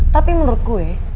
tapi menurut gue